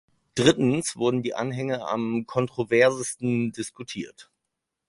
Drittens wurden die Anhänge am kontroversesten diskutiert.